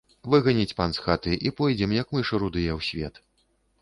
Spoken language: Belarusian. Выганіць пан з хаты, і пойдзем, як мышы рудыя, у свет.